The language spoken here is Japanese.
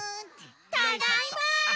ただいま！